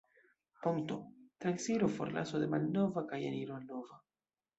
Ponto: Transiro, forlaso de malnova kaj eniro al nova.